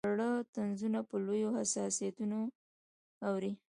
واړه طنزونه په لویو حساسیتونو اوړي.